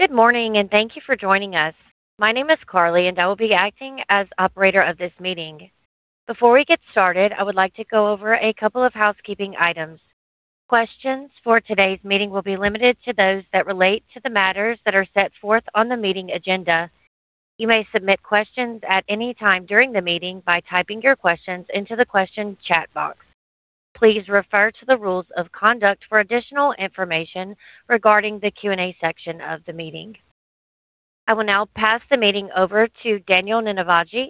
Good morning, and thank you for joining us. My name is Carly, and I will be acting as operator of this meeting. Before we get started, I would like to go over a couple of housekeeping items. Questions for today's meeting will be limited to those that relate to the matters that are set forth on the meeting agenda. You may submit questions at any time during the meeting by typing your questions into the question chat box. Please refer to the rules of conduct for additional information regarding the Q&A section of the meeting. I will now pass the meeting over to Daniel Ninivaggi,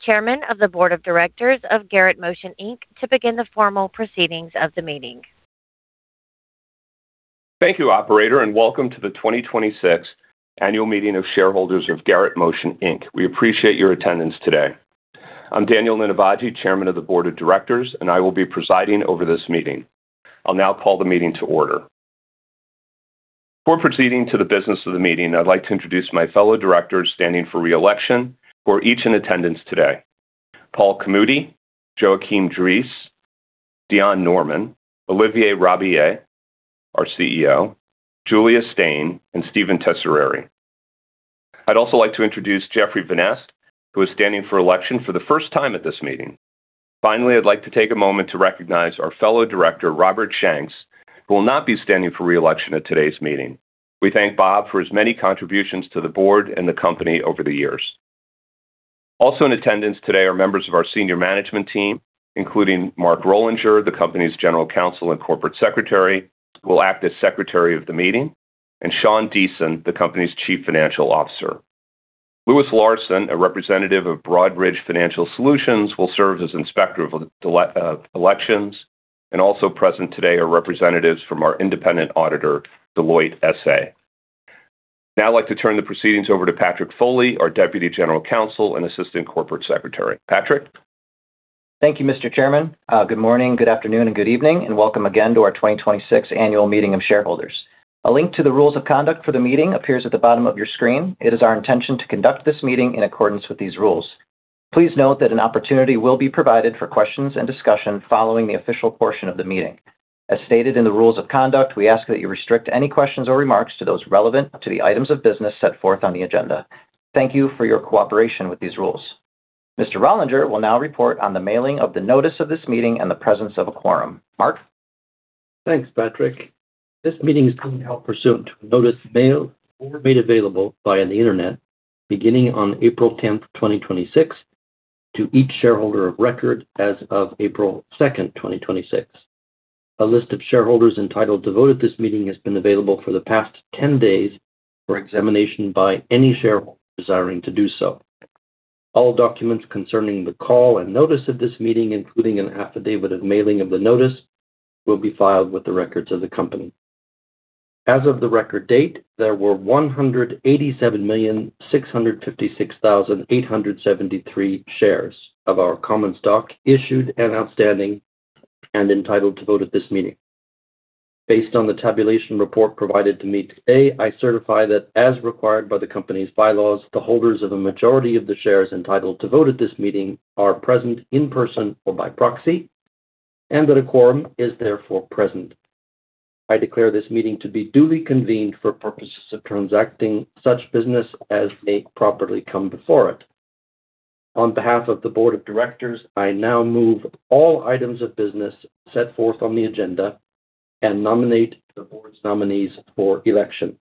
Chairman of the Board of Directors of Garrett Motion Inc., to begin the formal proceedings of the meeting. Thank you, operator, and welcome to the 2026 Annual Meeting of Shareholders of Garrett Motion Inc. We appreciate your attendance today. I'm Daniel Ninivaggi, Chairman of the Board of Directors, and I will be presiding over this meeting. I'll now call the meeting to order. Before proceeding to the business of the meeting, I'd like to introduce my fellow directors standing for re-election who are each in attendance today: Paul Camuti, Joachim Drees, D'aun Norman, Olivier Rabiller, our CEO, Julia Steyn, and Steven Tesoriere. I'd also like to introduce Jeffrey Van Nest, who is standing for election for the first time at this meeting. I'd like to take a moment to recognize our fellow Director, Robert Shanks, who will not be standing for re-election at today's meeting. We thank Bob for his many contributions to the board and the company over the years. Also in attendance today are members of our senior management team, including Mark Rollinger, the company's General Counsel and Corporate Secretary, who will act as Secretary of the meeting, and Sean Deason, the company's Chief Financial Officer. Lewis Larson, a representative of Broadridge Financial Solutions, will serve as Inspector of Elections, and also present today are representatives from our independent auditor, Deloitte SA. Now I'd like to turn the proceedings over to Patrick Foley, our Deputy General Counsel and Assistant Corporate Secretary. Patrick? Thank you, Mr. Chairman. Good morning, good afternoon, and good evening, and welcome again to our 2026 Annual Meeting of Shareholders. A link to the rules of conduct for the meeting appears at the bottom of your screen. It is our intention to conduct this meeting in accordance with these rules. Please note that an opportunity will be provided for questions and discussion following the official portion of the meeting. As stated in the rules of conduct, we ask that you restrict any questions or remarks to those relevant to the items of business set forth on the agenda. Thank you for your cooperation with these rules. Mr. Rollinger will now report on the mailing of the notice of this meeting and the presence of a quorum. Mark? Thanks, Patrick. This meeting is being held pursuant to notice mailed or made available via the Internet beginning on April 10th, 2026, to each shareholder of record as of April 2nd, 2026. A list of shareholders entitled to vote at this meeting has been available for the past 10 days for examination by any shareholder desiring to do so. All documents concerning the call and notice of this meeting, including an affidavit of mailing of the notice, will be filed with the records of the company. As of the record date, there were 187,656,873 shares of our common stock issued in outstanding and entitled to vote at this meeting. Based on the tabulation report provided to me today, I certify that as required by the company's bylaws, the holders of a majority of the shares entitled to vote at this meeting are present in person or by proxy, and that a quorum is therefore present. I declare this meeting to be duly convened for purposes of transacting such business as may properly come before it. On behalf of the board of directors, I now move all items of business set forth on the agenda and nominate the board's nominees for election.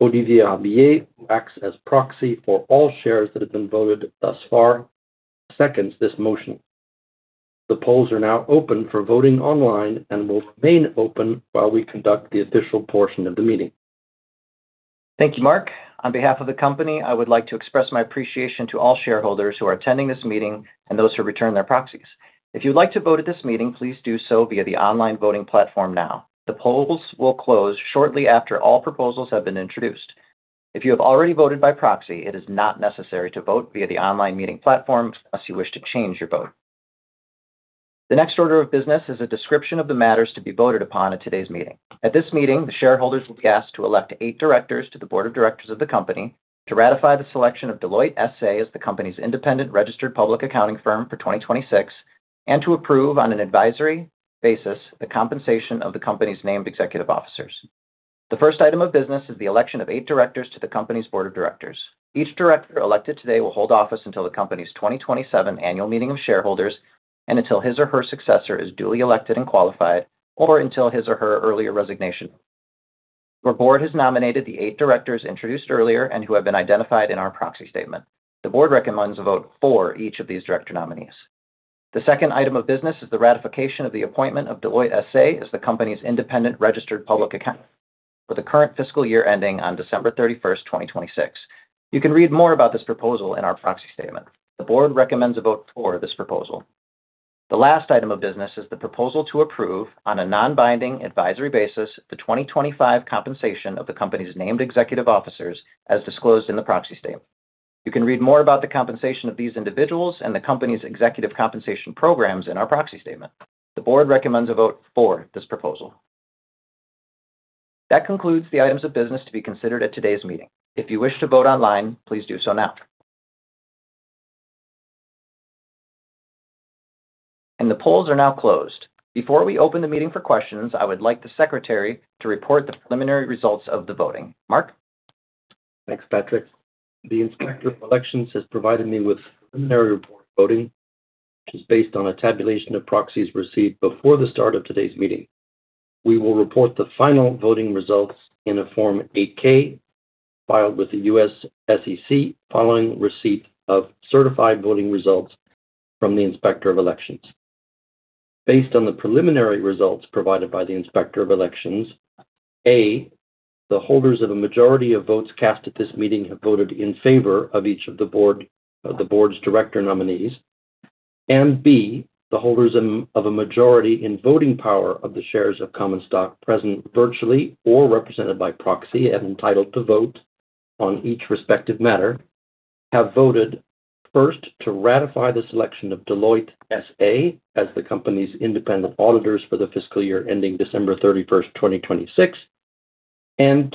Olivier Rabiller, who acts as proxy for all shares that have been voted thus far, seconds this motion. The polls are now open for voting online and will remain open while we conduct the official portion of the meeting. Thank you, Mark. On behalf of the company, I would like to express my appreciation to all shareholders who are attending this meeting and those who returned their proxies. If you'd like to vote at this meeting, please do so via the online voting platform now. The polls will close shortly after all proposals have been introduced. If you have already voted by proxy, it is not necessary to vote via the online meeting platform unless you wish to change your vote. The next order of business is a description of the matters to be voted upon at today's meeting. At this meeting, the shareholders will be asked to elect eight directors to the board of directors of the company to ratify the selection of Deloitte SA as the company's independent registered public accounting firm for 2026 and to approve on an advisory basis the compensation of the company's named executive officers. The first item of business is the election of eight directors to the company's Board of Directors. Each director elected today will hold office until the company's 2027 annual meeting of shareholders and until his or her successor is duly elected and qualified or until his or her earlier resignation. The board has nominated the eight directors introduced earlier and who have been identified in our proxy statement. The board recommends a vote for each of these director nominees. The second item of business is the ratification of the appointment of Deloitte SA as the company's independent registered public accountant for the current fiscal year ending on December 31st, 2026. You can read more about this proposal in our proxy statement. The board recommends a vote for this proposal. The last item of business is the proposal to approve on a non-binding advisory basis the 2025 compensation of the company's named executive officers as disclosed in the proxy statement. You can read more about the compensation of these individuals and the company's executive compensation programs in our proxy statement. The Board recommends a vote for this proposal. That concludes the items of business to be considered at today's meeting. If you wish to vote online, please do so now. The polls are now closed. Before we open the meeting for questions, I would like the Secretary to report the preliminary results of the voting. Mark? Thanks, Patrick. The Inspector of Elections has provided me with a preliminary report of voting, which is based on a tabulation of proxies received before the start of today's meeting. We will report the final voting results in a Form 8-K filed with the U.S. SEC following receipt of certified voting results from the Inspector of Elections. Based on the preliminary results provided by the Inspector of Elections, A, the holders of a majority of votes cast at this meeting have voted in favor of each of the Board's Director nominees. B, the holders of a majority in voting power of the shares of common stock present virtually or represented by proxy and entitled to vote on each respective matter, have voted first to ratify the selection of Deloitte S.A. as the company's independent auditors for the fiscal year ending December 31st, 2026.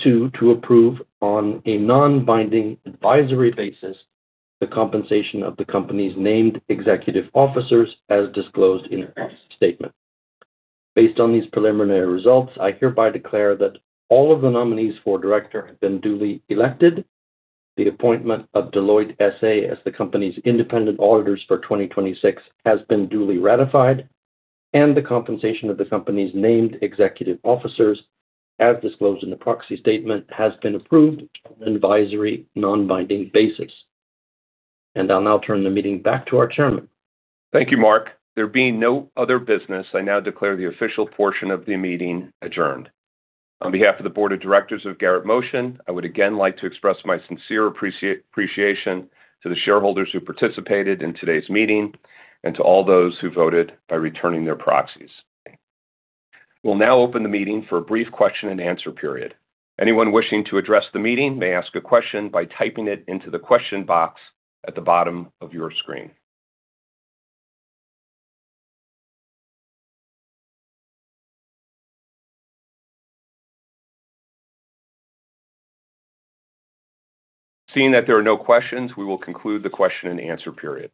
Two, to approve on a non-binding advisory basis the compensation of the company's named executive officers as disclosed in a proxy statement. Based on these preliminary results, I hereby declare that all of the nominees for director have been duly elected. The appointment of Deloitte S.A. as the company's independent auditors for 2026 has been duly ratified, and the compensation of the company's named executive officers, as disclosed in the proxy statement, has been approved on an advisory non-binding basis. I'll now turn the meeting back to our Chairman. Thank you, Mark. There being no other business, I now declare the official portion of the meeting adjourned. On behalf of the Board of Directors of Garrett Motion, I would again like to express my sincere appreciation to the shareholders who participated in today's meeting and to all those who voted by returning their proxies. We'll now open the meeting for a brief question and answer period. Anyone wishing to address the meeting may ask a question by typing it into the question box at the bottom of your screen. Seeing that there are no questions, we will conclude the question and answer period.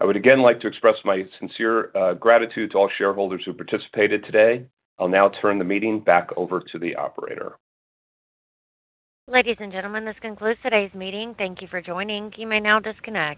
I would again like to express my sincere gratitude to all shareholders who participated today. I'll now turn the meeting back over to the operator. Ladies and gentlemen, this concludes today's meeting. Thank you for joining. You may now disconnect.